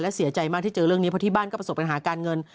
และเสียใจมากที่เจอเรื่องนี้เพราะที่บ้านก็ประสบปัญหาการเงิน